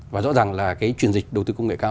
và rõ ràng là cái chuyển dịch đầu tư công nghệ cao